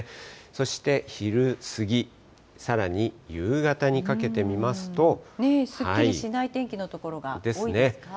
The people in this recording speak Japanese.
そして昼過ぎ、さらに夕方にかけすっきりしない天気の所が多ですね。